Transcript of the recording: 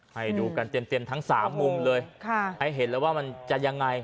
ให้ดูกันเต็มทั้ง๓มุมเลยให้เห็นแล้วว่ามันจะยังไง